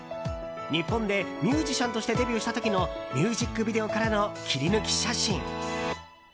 日本でミュージシャンとしてデビューした時のミュージックビデオからの切り抜き写真。